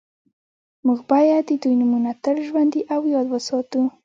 موږ باید د دوی نومونه تل ژوندي او یاد وساتو